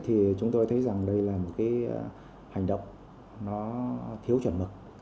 thì chúng tôi thấy rằng đây là một cái hành động nó thiếu chuẩn mực